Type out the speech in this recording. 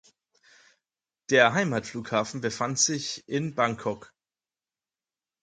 Der Heimatflughafen befand sich in Bangkok.